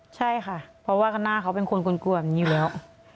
ใช่ค่ะเพราะว่าหน้าเขาเป็นคนคุ้นกลัวอยู่แล้ว